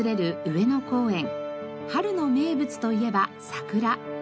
春の名物といえば桜。